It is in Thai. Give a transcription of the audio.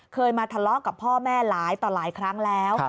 เคยมาทะเลาะกับพ่อแม่หลายต่อหลายครั้งแล้ว